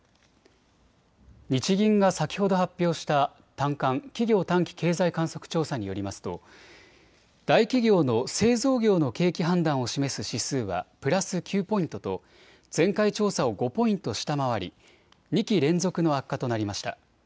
日銀が先ほど発表した短観・企業短期経済観測調査によりますと大企業の製造業の景気判断を示す指数はプラス９ポイントと前回調査を５ポイント下回り２期連続の悪化となりました。